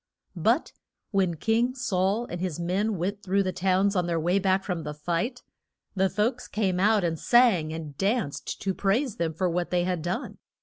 But when King Saul and his men went through the towns on their way back from the fight, the folks came out and sang and danced to praise them for what they had done.